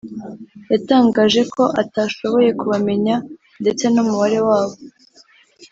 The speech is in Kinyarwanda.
yatangaje ko atashoboye kubamenya ndetse n’umubare wabo